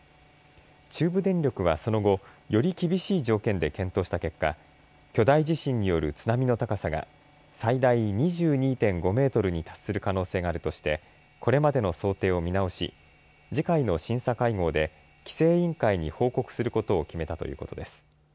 中部電力はその後、より厳しい条件で検討した結果、巨大地震による津波の高さが最大２２．５メートルに達する可能性があるとしてこれまでの想定を見直し次回の審査会合で規制委員会に報告することを決めたということです。